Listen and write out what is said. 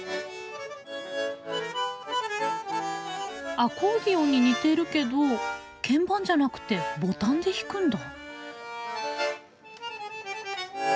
アコーディオンに似てるけど鍵盤じゃなくてボタンで弾くんだ。